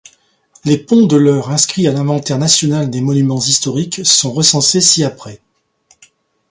Les ponts de l’Eure inscrits à l’inventaire national des monuments historiques sont recensés ci-après.